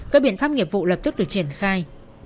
các biện pháp nghiệp vụ lập tức được triển khai